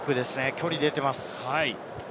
距離が出ています。